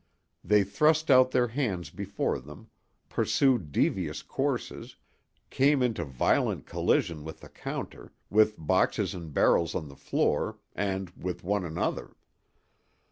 They thrust out their hands before them, pursued devious courses, came into violent collision with the counter, with boxes and barrels on the floor, and with one another.